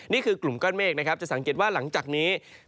นี่คือกลุ่มก้อนเมฆนะครับจะสังเกตว่าหลังจากนี้